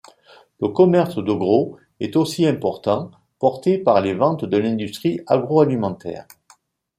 Le commerce de gros est aussi important, porté par les ventes de l'industrie agroalimentaire.